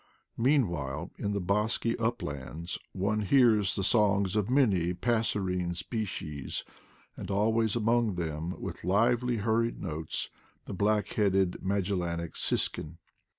Meanwhile, in the bosky uplands, one hears the songs of many passerine species; and always amongst them, with lively hurried notes, the black headed Magellanic siskin.